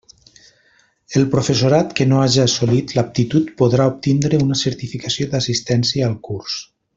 El professorat que no haja assolit l'aptitud podrà obtindre una certificació d'assistència al curs.